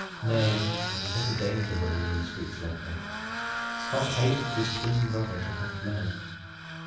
"Nay, there is ever danger when a woman speaks like that. Hot hate is twin brother to hot love.